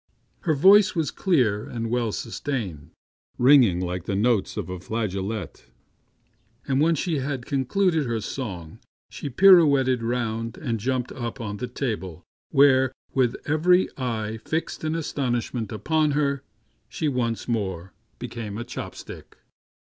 Her voice was clear and well sustained, ringing like the notes of a flageolet, and when she had concluded her song she pirouetted round and jumped up on the table, where, with every eye fixed in astonishment upon her, she once more became a chop stick.